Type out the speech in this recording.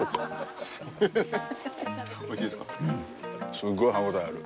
すっごい歯応えある。